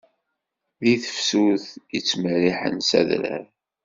Di tefsut i ttmerriḥen s adrar.